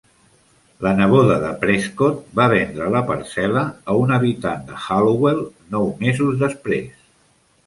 La neboda de Prescott va vendre la parcel·la a un habitant de Hallowell nou mesos després.